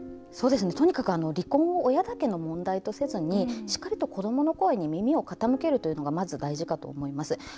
とにかく離婚を親だけの問題とせずにしっかりと子どもの声に耳を傾けるのがまずは大事かと思います。